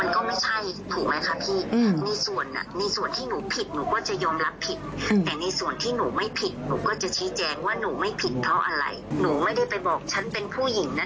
เธอจะต้องซื้อของให้ฉันนะ